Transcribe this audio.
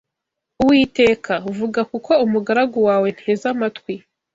Uwiteka, vuga kuko umugaragu wawe nteze amatwi